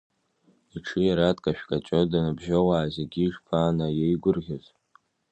Иҽы, иара дкашәкаҷо набжьоуаа зегьы ишԥанаиеигәырӷьоз!